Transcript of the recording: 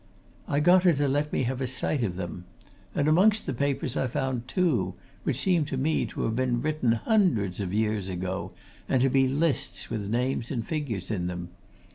I got her to let me have a sight of them. And amongst the papers I found two, which seem to me to have been written hundreds of years ago and to be lists with names and figures in them.